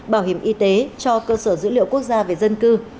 bảo hiểm y tế cho cơ sở dữ liệu quốc gia về dân cư